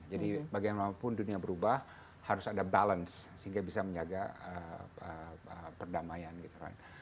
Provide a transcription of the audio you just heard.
jadi bagaimanapun dunia berubah harus ada balance sehingga bisa menjaga perdamaian gitu